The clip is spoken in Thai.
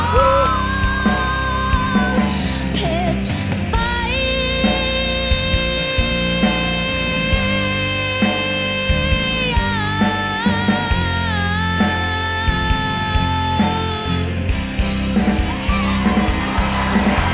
ฉันมองตัวเธอผิดไป